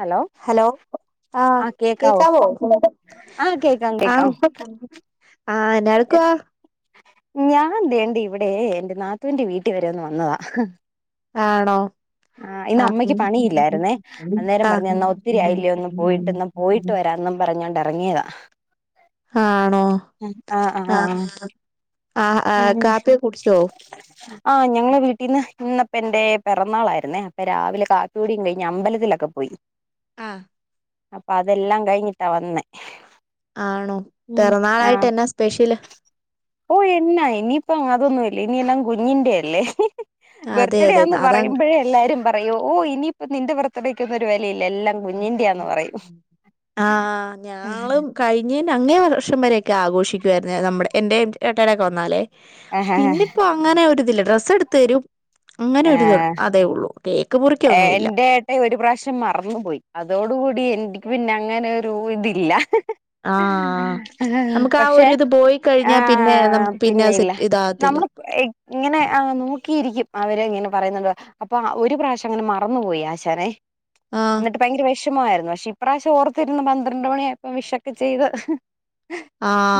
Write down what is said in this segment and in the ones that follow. Hello ആഹ് ആ കേക്കാവോ കേക്കവോ ആ കേക്കാം ആ കേക്കാം ആഹ് എന്നാടുക്കുവാ ഞാൻന്തേണ്ടി ഇവിടെ എന്റെ നാത്തുന്റെ വീട്ടിവരെ ഒന്ന് വന്നതാ. ആണോ ആഹ് ഇന്ന് അമ്മക്ക് പണിയില്ലായിരുന്നേ അന്നേരം പറഞ്ഞ് ആഹ് എന്നാ ഒത്തിരി ആയില്ലേ ഒന്ന് പോയിട്ട്ന്ന് പോയിട്ട് വരാന്നും പറഞ്ഞൊണ്ട് ഇറങ്ങിയതാ ആണോ ആ ആ ആഹ് ആഹ് ആഹ് ആഹ് കാപ്പിയോകുടിച്ചോ ആഹ് ഞങ്ങളെ വീട്ടീന്ന് ഇന്നപ്പ എന്റെ പിറന്നാളാ ന്നേ അപ്പ രാവിലെ കാപ്പികുടിയും കഴിഞ്ഞ് അമ്പലത്തിലൊക്കെ പോയി ആഹ് അപ്പ അതെല്ലാം കഴിഞ്ഞിട്ടാ വന്നേ ആണോ ഉം പെറാന്നാളായിട്ട് എന്നാ സ്പെഷ്യല് ഓഹ് എന്നാ ഇനിയിപ്പം അതൊന്നുല്ല ഇനി എല്ലാം കുഞ്ഞിന്റെ അല്ലേ അതെ അതെ ബെർത്ത്ഡേന്ന് അതാ പറയുമ്പോഴേ എല്ലാരും പറയും ഓയിനിയിപ്പ നിന്റെ ബേർത്ത്ഡേക്കോന്ന് ഒരു വേലെയില്ല. എല്ലാം കുഞ്ഞിന്റെയാന്ന് പറയും. ആഹ് ഞാളും കഴിഞ്ഞേന്റെ അങ്ങേവർഷം വരെയൊക്കെ ആഘോഷിക്കുവാര്ന്നേ. നമ്മടെ എൻ്റെ ഏട്ടാടെക്കെവന്നാലേ. ആഹ് പിന്നിപ്പ അങ്ങനെ ഒരിതില്ല. ഡ്രസ്സേടുത്ത് തരും അങ്ങനെരിത് അതേ ഒള്ളൂ. ഏഹ് എന്റെ ഏഹ് ഒരു പ്രാശ്യം മറന്നുപോയി. അതോട് കൂടി എനിക്ക് പിന്നെ അങ്ങനെ ഒരു ഇതില്ല. ആഹ് ആഹ് നമുക്ക് ആ പക്ഷെ ഒരിത് പോയി കഴിഞ്ഞാൽ പിന്നെ ആഹ് നമുക്ക് പിന്നെ അത് പിന്നെയില്ല. സെറ്റ് ഇതാകത്തില്ല. നമ്മള് ഇക് ഇങ്ങനെ ആഹ് നോക്കിയിരിക്കും. അവര് ഇങ്ങനെ പറയുന്നുണ്ടോ അപ്പ ഒരു പ്രശ്യ- അങ്ങനെ മറന്നുപോയി ആശാനെ. ആഹ് ന്നട്ട് ഭയങ്കര വേഷമായിരുന്നു. പക്ഷെ ഇപ്രാവശം ഓർത്തിരുന്നു. പന്ത്രണ്ട് മണിയായപ്പോ വിഷൊക്കെ ചെയ്ത്.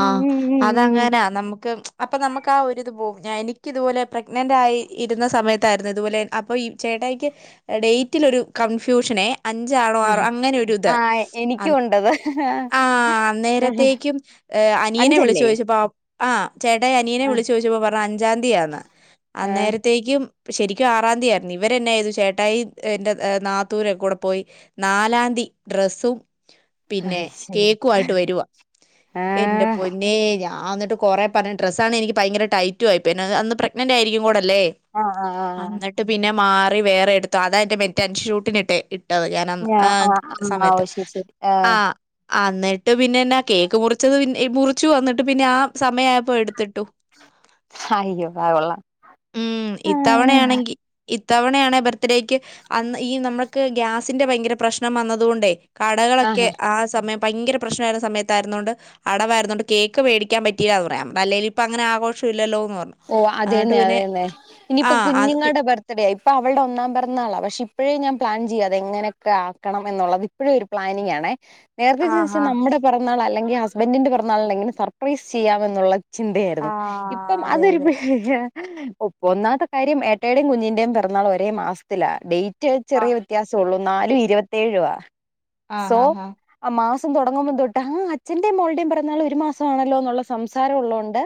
ഉം ഉം ഉം അതങ്ങനാ നമുക്ക് അപ്പ നമ്മക്ക് ആ ഒരിത് പോവും. ഞാ എനിക്കിതുപോലെ പ്രഗ്നന്റ് ആയി ഇരുന്ന സമയത്തായിരുന്നു. ഇതുപോലെ അപ്പാ - ചേട്ടയിക്ക് ഡേറ്റിലൊരു കംഫ്യൂഷനെ അഞ്ചാണോ ഉം ആറ അങ്ങനെരുത്. ആ എനിക്കും അന്ന് ഉണ്ടത് ആഹ് അന്നേരത്തേയ്ക്കും- ഏഹ് അനിയനെ അഞ്ചല്ലേ വിളിചോദിച്ചപ്പോ - ആഹ് ചേട്ടായി അനിയനെ ആ വിളിച്ചു ചോദിച്ചപ്പോ പറഞ്ഞു അഞ്ചാ തിയാന്ന്. ആ അന്നേര- ത്തേയ്ക്കും ശെരിക്കും ആറാതി യായിരുന്നു. ഇവരെന്നയ്തു ചേട്ടായി എൻ്റെ നാത്തൂനും കൂടെ പോയി- നാലാതി ഡ്രസ്സും പിന്നെ അയ്ശരി കേക്കുവായിട്ട് വരുവാ- ആ എന്റെ പൊന്നേ ഞാന്നിട്ട്കൊറെ പർഞ്ഞ്. ഡ്രസ്സാണെ എനിക്ക് ഭയിങ്കര ടൈറ്റുവായിപ്പോയി. പിന്നെ അന്ന് പ്രഗ്ന- ഗ്നന്റായിരിക്കും കൂടല്ലേ - ആഹ് ആഹ് ആഹ് ആഹ് ങ്ങട്ട് പിന്നെ മാറി വേറെ എടുത്തു. അതാ ന്റെ മറ്റേ അൻഷൂട്ടിനിട്ടേ. ട്ട ഞാൻ ഞാ ആ ആഹ് ആ ഓ സമയത്ത് ശരി ശരി ആ ആഹ് അഹ് ന്നിട്ട് പിന്നെന്നാ കേക്ക് മുറിച്ചത് പിന്ന മുറിച്ചു. എന്നിട്ട് പിന്നെ ആ സമയായപ്പോ എടുത്തിട്ടു. അയ്യോ ആഹ് കൊള്ളാം. ഉം ഇത്തവണയാണെങ്കി ഇത്തവണയാണേ ബർത്ത്ഡേക്ക് അന്ന് ഈ നമ്മൾക്ക് ഗ്യാസിന്റെ ഭയങ്കര പ്രശ്നം വന്നതുകൊണ്ടേ കടകളൊക്കെ ആ സമയം ഭയങ്കര പ്രശ്നമായിരുന്ന സമയത്തായിരുന്നൊത് കൊണ്ട് അടവാരുന്നത് കൊണ്ട് കേക്ക് വേടിക്കാൻ പറ്റയില്ലന്ന് പറയാ. അല്ലേലും ഇപ്പഅങ്ങനെ ആഘോഷ ഇല്ലല്ലോ എന്ന് പറഞ്ഞു. ഓഹ് അത് എന്നിട്ട് തന്നെ അത് പിന്നെ ന്നെ. ആ ഇനിയിപ്പ അത് പി കുഞ്ഞുങ്ങളുടെ ബർ ത്ടെ ഇപ്പൊ അവളുടെ ഒന്നാം പിറന്നാളാണ്. പക്ഷെ ഇപ്പഴേ ഞാൻ പ്ലാൻ ചെയ്യാ അത്ങ്ങനൊക്കെ ആക്കണം എന്നുള്ളത്. ഇപ്പഴും പ്ലാനിങ്ങാണെ. നേരത്തെ ആ ചോദിചേ ഹാ നമ്മുടെ പെറന്നാള് അല്ലെങ്കിൽ ഹസ്ബന്റിന്റെ പേറന്നാളിന് എങ്ങനെ സർപ്രൈസ് ചെയ്യാം എന്നുള്ളത്. ആ ചിന്തയായിരുന്നു. ഇപ്പം അതെ അതൊരു അതെ ഒപ്പം ഒന്നാമത്തെ കാര്യം ഏട്ടയുടെയും കുഞ്ഞിന്റെയും പിറന്നാള് ഒരേ മാസത്തിലാ. ഡേറ്റ് ആഹ് ചെറിയ വ്യത്യാസള്ളൂ. നാലു ഇരുപത്തേഴു ആഹ്. ആഹ് സോ ആഹ് ആ മാസം തുടങ്ങുമ്പതൊട്ട് ആ അച്ഛന്റെയും മോളുടേയും പിറന്നാള് ഒരു മാസണല്ലോ എന്നുള്ള സംസാരം ഉള്ളത് കൊണ്ട്.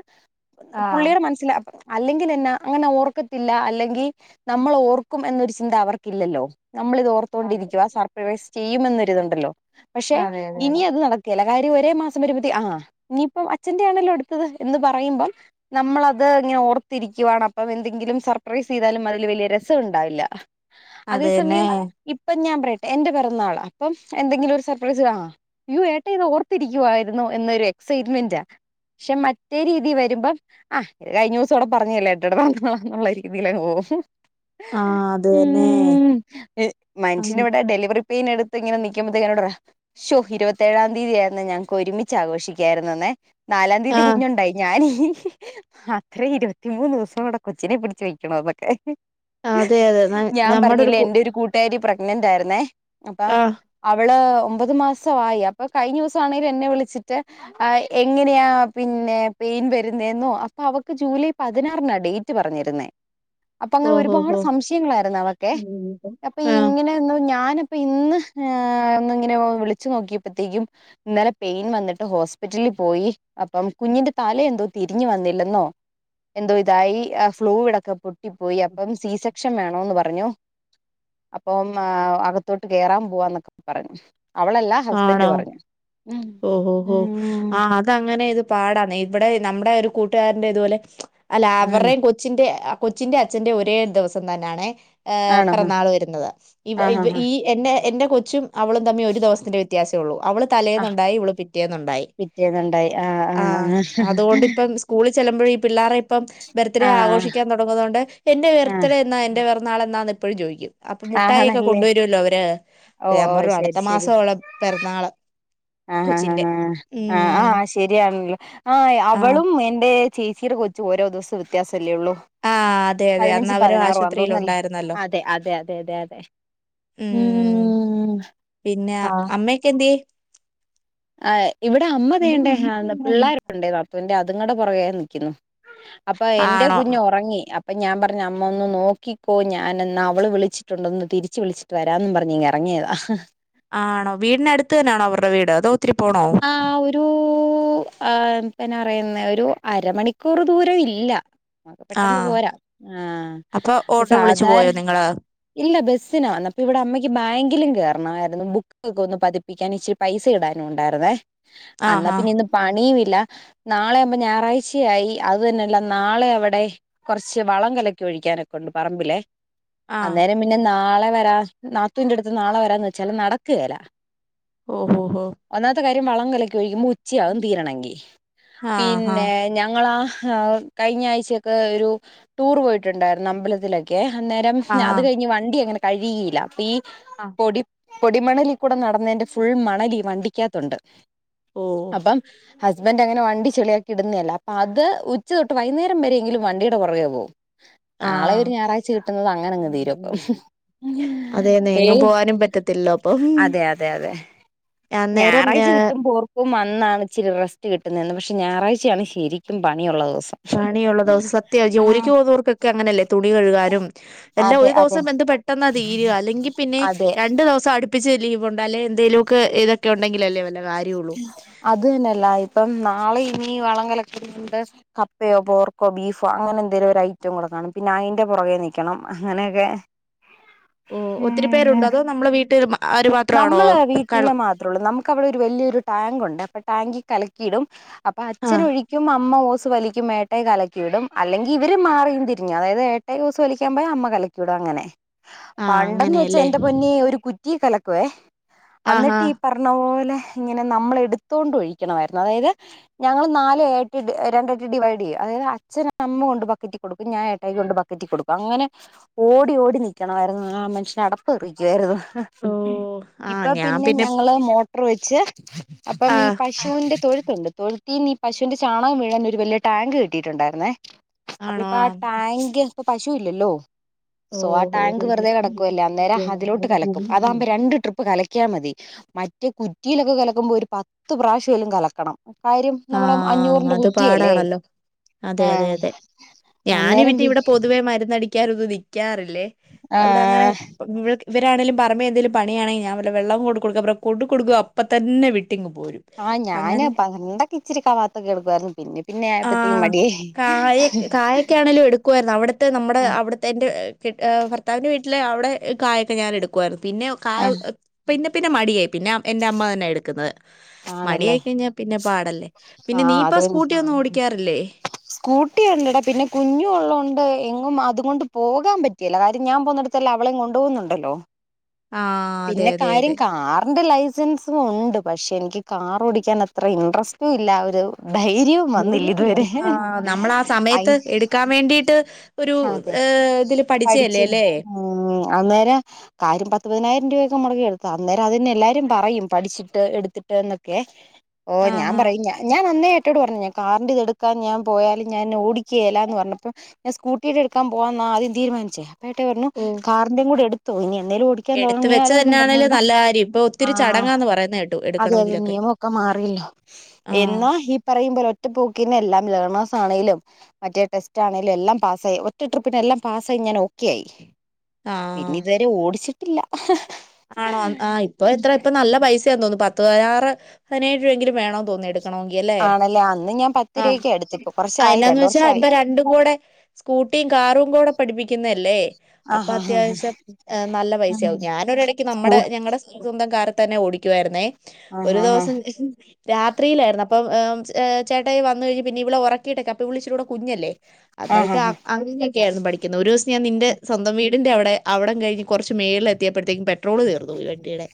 ആഹ് പുള്ളിയുടെ മനസ്സില് അല്ലെങ്കിൽ എന്നാ അങ്ങനെ ഓർക്കത്തില്ല. അല്ലെങ്കിൽ നമ്മൾ ഓർക്കും എന്നൊരു ചിന്ത അവർക്കില്ലല്ലോ. നമ്മളിതോർ തോ അതെ ണ്ടിരിക്ക സർപ്രേസ് ചെയ്യും. എന്നൊരുതുണ്ടല്ലോ പക്ഷെ അതെ അതെ ഇനി അത് നട ക്കൂല. കാര്യം ഒരേ മാസം വരുമ്പതി ആഹ് ഇനിയിപ്പം അച്ഛന്റെ ആണല്ലോ എടുത്തത് എന്ന് പറയുമ്പം നമ്മളത് ഇനി ഓർത്തിരിക്കുവാണപ്പം എന്തെങ്കിലും സർപ്രൈസ് ചെയ്താലും അതില് വലിയ രസം ഉണ്ടാവില്ല. അതേ അതന്നെ സമയം ഇപ്പം ഞാൻ പറയട്ടെ. എന്റെ പിറന്നാള് അപ്പം എന്തെങ്കിലും ഒരു സർപ്രൈസ് ആഹ് യ്യോ ഏട്ട ഇത് ഓർത്തിരിക്കുവായിരുന്നോ എന്നൊരു എക്സൈറ്റ്മെന്റാ പക്ഷെ മറ്റേ രീതീ വരുമ്പം അഹ് കഴിഞ്ഞ ദിവസോവിടെ പറഞ്ഞില്ലേ [unintelligible] രീതിലങ്ങ് പോവു ആഹ് അത് തന്നെ ഊം ഇ മനുഷ്യന് വ്ടെ ഡെലിവറി പെയ്നെടുത്ത് ങ്ങനെ നിക്കുമ്പത്തേക്കാ [unintelligible] ശ്ശൊ ഇരുപത്തേഏഴാം തീയതി ആയിരുന്നെ ഞങ്ങക്കൊരുമിച്ചാ ഘോഷിക്കായിരുന്നുന്നെ നാലാം തീയതി ആഹ് കുഞ്ഞുണ്ടായി ഞാനീ അത്രേം ഇരുപത്തിമൂന്ന് ദിവസം കൂടെ കൊച്ചിനെ പിടിച്ച് വെക്കണോന്നൊക്കെ അതെ അതെ ന ഞാം നമ്മുടെ ഒരു പറഞ്ഞില്ലേ കു എന്റെഒരു കൂട്ടുകാരി പ്രഗ്നന്റാരുന്നേ അപ്പൊ ആഹ് അവള് ഒമ്പത് മാസവായി അപ്പൊ കഴിഞ്ഞോസാണെലും എന്നെ വിളിച്ചിറ്റ് ആ എങ്ങനെയാ പിന്നെ പെയിൻ വരുന്നേന്നോ അപ്പൊ അവക്ക് ജൂലൈ പതിനാറിനാ ഡേറ്റ് പറഞ്ഞിരുന്നേ അപ്പൊങ്ങനെ ഓഹോ ഒരുപാട് ഹോ സംശയങ്ങളായിരുന്നു അവക്കെ. അപ്പൊ ആഹ് ഇങ്ങനെ ന്ന് ഞാന്പ്പ ഇന്ന് ഏ ഒന്നിങ്ങനെ ഒ വിളിച്ചു നോക്കിയപ്പോത്തേക്കും ന്നലെ പെയിൻ വന്നിട്ട് ഹോസ്പിറ്റലിൽ പോയി അപ്പം കുഞ്ഞിന്റെ തല എന്തോ തിരിഞ്ഞ് വന്നി ല്ലന്നോ എന്തോ ഇതായി അ ഫ്ലൂയിഡൊക്ക പൊട്ടിപ്പോയി അപ്പം സീസ ക്ഷം വേണോന്ന് പറഞ്ഞു അപ്പം അകത്തോട്ട് കേറാൻ പോവാന്നൊക്കെ പറഞ്ഞു അവളല്ല ഹസ്ബൻഡ് ആണോ പറഞ്ഞു. ഉം ഊം. തങ്ങനെ ഇത് പാടാണ് ഇവിടെ നമ്മുടെ ഒരു കൂട്ടുകാരന്റെ ഇതുപോലെ അല്ല ആണ് അവരെം കൊ ച്ചിന്റെ ആ കൊച്ചിന്റെ അച്ഛന്റെ ഒരേ ദിവസം തന്നാണേ ഏ ആണോ പെറന്നാള് വരുന്നത് ഇവ ആ ഇ ആ ഈ എന്നെ എന്റെ കൊച്ചും അവളും തമ്മി ഒരു ദെവസം ത്തിന്റെ വ്യത്യാസേ ഉള്ളൂ അവള് ആ ആ തലേന്നുണ്ടായി. ഇവള് പിറ്റേന്നുണ്ടായി. പിറ്റേന്നുണ്ടായി ആ ആ ആഹ് അതുകൊണ്ടിപ്പം സ് കൂളിൽ ചെല്ല്മ്പോഴി ഈ പിള്ളാരെ ഇപ്പം ബർത്ത്ഡേ ആ ആഘോഷിക്കാൻ തൊടുന്നത് കൊണ്ട് എന്റെ ആ ബെർത്ത്ഡേ എന്നാ എന്റെ ബർ നാളന്നാന്നെപ്പഴും ചോയിക്കും അപ്പൊ ആ മുട്ടായി ഒക്കെ ആണല്ലേ കൊണ്ടുവരുല്ലോ അവര് ഓ ഞാൻ ഓ പറഞ്ഞു ശരി അടുത്ത ശരി മാസവളെ പെറന്നാള് ആ ആ ആഹ് അ ശരിയാണല്ലോ ആ ആഹ് അവളും എന്റെ ചേച്ചിടെ കൊച്ചു ഓരോ ദിവസ്‌തെ വ്യത്യാസല്ലേ ഉള്ളൂ ആഹ് അതെ അതെ അന്ന് പതിനഞ്ചും അവര് പതിനാറും ആവുമ്പോ ആശുപത്രിയിൽ [unintelligible] ഉണ്ടായിരുന്നല്ലോ അതെ അതെ അതെ അതെ അതെ ഏഹ് ഉം പിന്നെ അമ്മക്കെന്ത്യേ? ആഹ് ഇവിടെ അമ്മ തേണ്ടേ ഹാന്ന് പിള്ളേരൊക്കണ്ടേ നാത്തൂന്റെ അതുങ്ങടെ പുറകേ നിയ്ക്കുന്നു. അപ്പൊ എന്റെ ആണോ കുഞ്ഞൊറങ്ങി. അപ് പ്പം ഞാൻ പറഞ്ഞ് അമ്മൊന്ന് നോക്കിക്കോ ഞാനെന്നാ അവള് വിളിച്ചിട്ടുണ്ടൊന്ന് തിരിച്ച് വിളിച്ച് ട്ട്‌ വരാന്നും പറഞ്ഞിങ്ങെറങ്ങിയതാ ആണോ വീടിനടുത്ത് തന്നാണോ അവർടെ വീട് അതോ ഒത്തിരി പോണോ? ആഹ് ഒരൂ ആഹ് [unintelligible] ഒരു അരമണിക്കൂർ ദൂരം ഇല്ല അഒക്ക പെട്ടെന്ന് ആഹ് പോരാ ആഹ് അപ്പൊ പ്പൊ ഓട്ടോ വിളിച്ചു പോയോ സാധാരണ നിങ്ങള് ഇല്ല ബസ്സിനാവന്നെ അപ്പിവിടെ അമ്മയ്ക്ക് ബാങ്കിലും കേറണായിരുന്നു. ബുക്കൊക്കെ ഒന്ന് പതിപ്പിക്കാനും ഇച്ചിരി പൈസ ഇടാനുണ് ണ്ടാരുന്നേ അന്നാ ആഹ് ആഹ് പിന്നിന്ന് പണിയും ഇല്ല നാളെ ആവുമ്പോ ഞായറാഴ്ചയായി അത് തന്നെയല്ല നാളെ അവിടെ കൊർച്ച് വളം കലക്കി ഒഴിക്കാനൊക്കെണ്ട് പറമ്പിലേ ആഹ് അന്നേരം പിന്നെ നാളെ വരാ നാത്തൂന്റെടുത്ത് നാളെ വരാന്ന് ച്ചാലും നടക്ക്കേല ഓഹ് ഹോ ഹോ ഒന്നാമത്തെ കാര്യം വളം കലക്കി ഒഴിക്കുമ്പോ ഉച്ചയാകും തീരണെങ്കി ആഹ് ആഹ് പിന്നെ ഞങ്ങളാ ഹാ കഴിഞ്ഞ ആഴ്ചയൊക്കെ ഒരു ടൂർ പോയിട്ടുണ്ടായിരുന്നു അമ്പലത്തിലൊക്കെ ക്കെ അന്നേരം അത് ആഹ് കഴിഞ്ഞ് വണ്ടി അങ്ങനെ കഴുകിയില്ല അപ്പൊ ഈ ആഹ് പൊടി പൊടിമണലിൽ കൂടെ നടന്നതിന്റെ ഫുൾ മണൽ ഈ വണ്ടിക്കാത്തുണ്ട് ഓഹ് അപ്പം ഹസ്ബൻഡ് അങ്ങനെ വണ്ടി ചെളിയാക്കി ഇടുന്നതല്ല അപ്പം അത് ഉച്ച തൊട്ട് വൈകുന്നേരം വരെ എങ്കിലും വണ്ടിയുടെ പുറകേ പോവും ആളെ ആഹ് ഒരു ഞായറാഴ്ച കിട്ടുന്നത് അങ്ങനങ് തീരും ഹും അതേന്നെ എങ്ങും ഏയ് പോവാനും പറ്റത്തില്ലല്ലോ അപ്പം അതെ അതെ അതെ അന്നേരം ഞായറാഴ്ച ഏഹ് കിട്ടുമ്പോ ക്കും അന്നാണ് ഇച്ചിരി റെസ്റ്റ് കിട്ടുന്നതെന്ന് പക്ഷെ ഞായറാഴ്ചയാണ് ശരിക്കും പണിയുള്ള ദിവസം പണിയുള്ള ദിവസം സത്യവാ ആഹ് ജോലിക്ക് പോകുന്നവർക്കൊക്കെ അങ്ങനെയല്ലേ തുണി കഴുകാനും അല്ലാ അതെ ഒരു അതെ ദിവസം എന്ത് പെട്ടെന്ന തീരുക അല്ലെങ്കിൽ പിന്നെ അതെ രണ്ടു ദിവസം സം അടിപ്പിച്ച് ലീവ് ഉണ്ട് അല്ലെ എന്തേങ്കിലും ഒക്കെ ഇതൊക്കെ ഉണ്ടെങ്കിൽ അല്ലേ വല്ല കാര്യം ഉള്ളൂ അത് തന്നെയല്ലാ ഇപ്പം നാളെ ഇനി വളം കലക്കണ്ട- കപ്പയോ പോർക്കോ ബീഫോ അങ്ങനെ എന്തെങ്കിലും ഒരു ഐറ്റം കൂടെ കാണും പിന്നെ അയിന്റെ പുറകെ നിക്കണം അങ്ങനെയൊക്കെ ഹലോ ഓഹ് ഒത്തിരി പേരുണ്ടോ അതോ നമ്മളെ വീട്ടിൽ അവര് മാത്രമാണോ ക ത്രം ഒള്ളു നമുക്കവിടെ ഒരു വലിയൊരു ടാങ്ക് ഉണ്ട് അപ്പൊ ടാങ്കിൽ കലക്കിയിടും അപ്പൊ ആഹ് അച്ഛനൊഴിക്കും അമ്മ ഓസ് വലിക്കും ഏട്ടായി കലക്കിയിടും അല്ലെങ്കിൽ ഇവർ മാറി ഇരിന്നു തിരിഞ്ഞ അതായത് ഏട്ടായി ഓസ് വലിക്കാൻ പോയ അമ്മ കല ക്കിടും അങ്ങനെ ആഹ് പണ്ടെന്ന് വെച്ചാ അങ്ങനെയല്ലേ എന്റെ പൊന്നേ ഒരു കുറ്റി കലക്കുവേ ആഹ് എന്നിട്ട് ആഹ് പറഞ്ഞ പോലെ ഇങ്ങനെ നമ്മള് എടുത്തൊണ്ട് ഒഴിക്കണമായിരുന്നു അതായത് ഞങ്ങള് നാല് ആട്ട് രണ്ടായിട്ട് ഡിവൈഡ് ചെയ്യും അതായത് അച്ഛന് അമ്മ കൊണ്ട് ബക്ക കൊടുക്കും ഞാൻ ഏട്ടായിക്ക് കൊണ്ട് ബക്കറ്റിൽ കൊടുക്കും അങ്ങനെ ഓടി ഓടി നിൽക്കണമായിരുന്നു ആഹ് മനുഷ്യന് അടപ്പ് തെറിക്കുവായിരുന്നു ഓഹ് ആഹ് ഇപ്പൊ ഞാൻ പിന്നെ ഞങ്ങള് മോട്ടർ വെച്ച് അപ്പം ഈ ആഹ് പശുവിന്റെ തൊഴുത്തുണ്ട് തൊഴുത്തിന്ന് ഈ പശുവിന്റെ ചാണകം വീഴാൻ ഒരു വലിയ ടാക് കെട്ടിയിട്ടുണ്ടായിരുന്നേ അപ്പൊ ആണോ ഇപ്പൊ ആ ടാങ്ക് പ്പൊ പശു ഇല്ലല്ലോ സോ ആ ടാങ്ക് വെറുതെ ഓഹോ കടക്കുവല്ലേ അന്നേരം അതിലോട്ട് കലക്കും അതാകുമ്പോ രണ്ട് ട്രിപ്പ് കല- ക്കിയ മതി മറ്റേ കുറ്റിയിലൊക്കെ കലക്കുമ്പോൾ ഒരു പത്ത് പ്രാവശ്യവേലും കലക്കണം കാര്യം ആഹ് നമ്മുടെ ആഹ് അഞ്ഞൂറിന്റെ അത് കുറ്റിയല്ലേ പാടാണല്ലോ അതെ അതെ ആഹ് അതെ അന്നേരം ഞാനിവിറ്റെ ഇവിടെ പിന്നെ പൊതുവെ മരുന്നടി ക്കാൻ ഒന്നും നിക്കാറില്ലേ അവിടെ അങ്ങനെ ആഹ് ഇവരാരെങ്കിലും പറമ്പിൽ എന്തങ്കിലും പണിയണെങ്കിൽ ഞാൻ വല്ല വെള്ളോം കൊണ്ട് കൊടുക്കാൻ പറഞ്ഞ കൊണ്ട് കൊടുക്കും അപ്പൊത്തന്നെ വി ആ ഞാന് പണ്ടൊക്കെ ഇച്ചിരി കവാത്ത കേൾക്കുവായിരുന്നു പിന്നെഇ ആ കായെ കായക്കെ ആണെലും എടുക്കുവായിരുന്നു അവിടുത്തെ നമ്മുടെ അവിടുത് എന്റെ ക്കെട്ട ഭർത്താവിന്റെ വീട്ടില് അവിടെ കായൊക്കെ ഞാൻ എടുക്കുാവയിരുന്നു പിന്നെ കായവ ആഹ് പിന്നെ പിന്നെ മടിയായി പിന്നെ എന്റെ അമ്മ തന്നെ എടുക്കുന്നത് ആണല്ലേ മടിഅയി കഴിഞ്ഞാൽ പിന്നെ പാടല്ലേ പിന്നെ ആഹ് നീഇപ്പാ അതേന്ന് സ്കൂട്ടി ഒന്നും ഓടിക്കാറില്ലേ സ്കൂട്ടി ഉണ്ട്ടാ പിന്നെ കുഞ്ഞുംഉള്ളോണ്ട് എങ്ങും അതുംകൊണ്ട് പോകാൻ പറ്റ് ചില കാര്യം ഞാൻ പോവ്ന്നട്ത്തെല്ലാം അവളെയും കൊണ്ടോവുന്നുണ്ടല്ലോ ആഹ് അതെ പിന്നെ അതെ കാര്യം അതെ കാറിന്റെ ലൈ സൻസുംഉണ്ട് പക്ഷെ എനിക്ക് കാർ ഓടിക്കാൻ അത്ര ഇൻട്രസ്റ്റും ഇല്ല ഒരു ധൈര്യവും വന്നില്ല ഇതുവരെ ആ അയി നമ്മളാസമയത്ത് എടുക്കാൻ വേണ്ടിയിട്ട് ഒരു അതെ ഏ ഇതില് പഠിച്ചിരുന്നു പഠിച്ചല്ലെല്ലെ ഉം അന്നേര കാര്യം പത്ത്പതിനായിരം രൂപയൊക്കെ നമ്മുടെ കയ്യിലെടുക്കാം അന്നേരം അത്‌ന്നെ എല്ലാരും പറയും പഠിച്ചിട്ട് എടുത്ത്- ത്തിട്ട് ന്നൊക്കെ ഓ ഞാൻ ആഹ് ആഹ് പറയും ഞാൻ ഞാൻ അന്നേ എട്ടോട് പറഞ്ഞാ കാറിന്റെതെടുക്കാൻ ഞാൻ പോയാല് ഞാൻ ഓടിക്കേലാന്ന് പറഞ്ഞപ്പം- ഞാൻ സ്കൂട്ടീടെ എടുക്കാൻ പോവാന്ന ആദ്യം തീരുമാനിച്ചേ അപ്പേട്ടായി പറഞ്ഞു ഓ കാറിന്റെയും കൂടെ എടുത്തോ ഇനി എന്നേലും ഓടി ക്കാൻ എടുത്ത് വെച്ച തുടങ്ങിയാലോന്നും പറഞ്ഞോണ്ടാ ആഹ് പറയുന്നകേട്ടു അതുഅല്ല നിയമംഒക്കെ മാറിയല്ലോ ആഹ് എന്നോ ഈ പറയുമ്പോലെ ഒ റ്റപോക്കിന് എല്ലാം ലേണേഴ്സ് ആണെലും മറ്റേ ടെസ്റ്റ്ആണെലും എല്ലാം പാസ്സായി ഒറ്റ ട്രിപ്പിന് എല്ലാം പാസ്സായി ഞാൻ ഓക്കെ ആയി. പിന്നെ ആഹ് ഇതുവരെ ഓടിച്ചിട്ടില്ല ആണോ ആ ഇപ്പോ എത്ര ഇപ്പ നല്ല പൈസയാന്ന് തോന്നുന്നു പത്ത് പതിനാറ് പതിനേഴ് രൂപയെങ്കിലും വേണോന്ന് തോന്നിയ എടുക് ക്കണോങ്കിയല്ലേ ആണല്ലേ അന്ന് ഞാൻ പത്ത് ആഹ് രൂപക്കെ എടുത്ത് ഇപ്പൊ ആ കുറച്ചായി എന്നാന്ന് രണ്ട് വെച്ചാ വർഷമായി ഇപ്പൊ രണ്ടും കൂടെ സ്കൂട്ടിയും കാറും കൂടെ പഠിപ്പിക്കുന്നല്ലേ അപ്പൊ ആഹ് ആഹ് അത്യാവശ്യം നല്ല ആഹ് പൈസയാവും ഞാനൊരെടയ്ക്ക് ന സ്കൂ നമ്മുടെ ഞങ്ങടെ സ്വന്തം കാറിതന്നെ ഓടിക്കുാവായിരുന്നേ ആഹ് ഒരു ആഹ് ദിവസം- രാത്രിയിലായിരുന്നു അപ്പം ഉം ച്ച് ചേട്ടായി വന്നു കഴിഞ്ഞ് പിന്നെ ഇവളെ ഒറക്കിട്ടൊക്കെ അപ്പ ഇവിളിച്ചിരൂടെ കുഞ്ഞല്ലേ ആഹ് അന്നിട്ട് ആഹ് അങ്ങിനെക്കെയാര്ന്നു പഠിക്കുന്നേ ഒരു ദിവസം ഞാൻ നിന്റെ സ്വന്തം വീട്ട ടിന്റെവിടെ അവിടം കഴിഞ്ഞ് കൊറച്ച് മേളിലെത്തിയപ്പയത്തേക്കും പെട്ട് പെട്രോള് തീർന്നു പോയി വണ്ടിടെ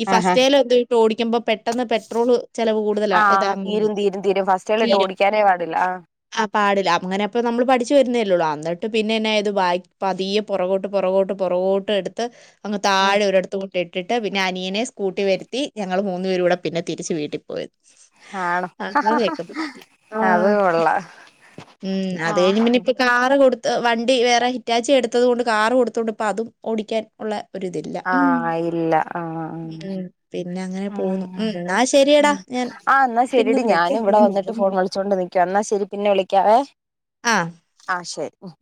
ഈ ആഹ് ഫസ്റ്റയിൽ എന്തോ ഇട്ട് ഓടിക്കുമ്പോ പെട്ടെന്ന് പെട്രോള് ചെലവ് കൂടുതലാ ആഹ് ഇതാണെങ്കിൽ തീരും തീരും തീരും ഫസ്റ്റ്കൾ ഇട്ട് തീരും ഓടിക്കാനേ പാടില്ല ആഹ് ആ പാടില്ല അങ്ങനെപ്പൊ നമ്മള് പഠിച്ചു വരുന്നേല്ലള്ളൂ അന്നിട്ട് പിന്നെ എന്ന ചെയ്തു ബായ് പതിയെ- പൊറകോട്ട് പൊറകോട്ട് പൊറവോട്ട് എടുത്ത് അങ്ങ് ഉം താഴെ ഒരിടത്ത് കൊണ്ടൊയിട്ടിട്ട് പിന്നെ അനിയനെ സ്കൂട്ടി വരുത്തി ഞങ്ങള് മൂന്ന്പേരൂടെ- പിന്നെ തിരിച്ച് വീട്ടിൽ പോയി ആണോ അങ്ങനെയൊക്കെ പറ്റി അത് ആഹ് കൊള്ളാം ഉം അത്കഴിഞ്ഞ് പിന്നെ ഇപ്പ- കാറ് കൊടുത്ത് വണ്ടി വേറെ ഹിറ്റാച്ചി എടുത്തതുകൊണ്ട് കാറ് കൊടുത്തകൊണ്ട് ഇപ്പൊ അതും ഓടിക്കാൻ ഉള്ള ഒരുതില്ല. ആഹ് ഇല്ല ആഹ് ഉം പിന്നെ അങ്ങനെ ഉം പോകുന്നു എന്നാൽ ശരിയെടാ ഉം ഞാൻ ആ ന്നാ പിന്നെ ശരിയടി വിളിക്കാം ഞാനും ഇവിടെ വന്നിട്ട് ഫോൺ വിളിച്ചോണ്ട് നിക്കുവാ എന്നാ ശരി പിന്നെ വിളിക്കാവേ ആഹ് ശരി ഉം